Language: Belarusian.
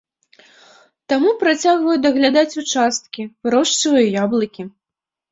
Таму працягваю даглядаць участкі, вырошчваю яблыкі.